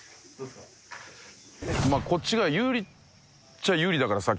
こっちが有利っちゃ有利だからさ